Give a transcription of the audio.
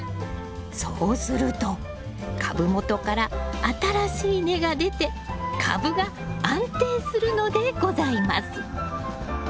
そうすると株元から新しい根が出て株が安定するのでございます。